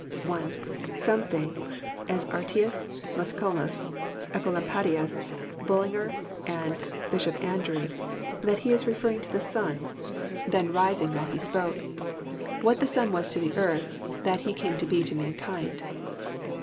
(1) Some think, as Aretlus, Musculus, Ecolampadius, Bull inger, and Bp. Andrews, that He referred to the sun, then rising JOHN, CHAP. vni. 79 while He spoke. What the sun was to the eaith, that He came to be to mankind.